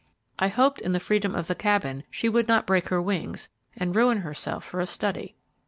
I hoped in the freedom of the Cabin she would not break her wings, and ruin herself for a study.